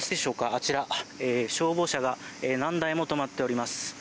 あちら、消防車が何台も止まっております。